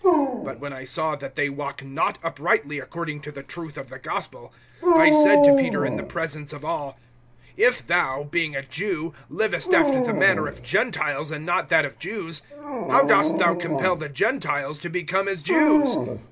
(14)But when I saw that they walk not uprightly according to the truth of the gospel, I said to Peter in the presence of all: If thou, being a Jew, livest after the manner of Gentiles and not that of Jews, how dost thou compel the Gentiles to become as Jews?